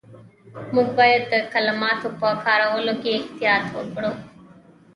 موږ باید د کلماتو په کارولو کې احتیاط وکړو.